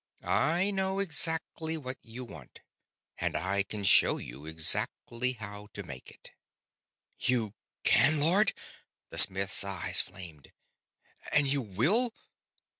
I know exactly what you want, and I can show you exactly how to make it." "You can, Lord?" The smith's eyes flamed. "And you will?"